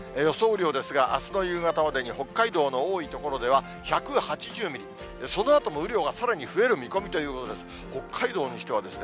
雨量ですが、あすの夕方までに北海道の多い所では１８０ミリ、そのあとも雨量がさらに増える見込みということです。